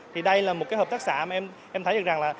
thì đây là một cái hợp tác xã mà em thấy được rằng là